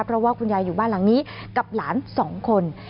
เพราะว่าคุณยายอยู่บ้านหลังนี้กับหลาน๒คน